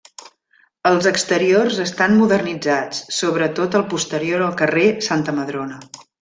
Els exteriors estan modernitzats, sobre tot el posterior al carrer Santa Madrona.